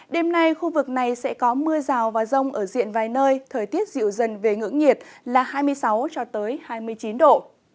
đêm nay khu vực này sẽ có mưa rào và rông ở diện vài nơi thời tiết dịu dần về ngưỡng nhiệt là hai mươi sáu cho tới hai mươi chín độ